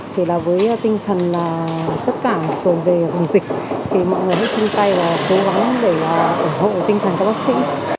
thì là với tinh thần tất cả sồn về dịch thì mọi người hãy chung tay và cố gắng để ủng hộ tinh thần các bác sĩ